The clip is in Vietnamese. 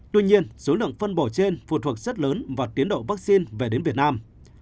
tuy nhiên số lượng phân bổ trên phụ thuộc rất lớn và tiến độ vaccine về đến việt nam